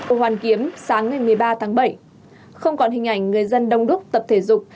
ở hoàn kiếm sáng ngày một mươi ba tháng bảy không còn hình ảnh người dân đông đúc tập thể dục